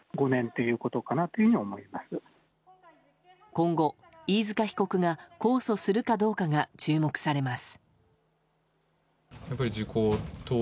今後、飯塚被告が控訴するかどうかが注目されます。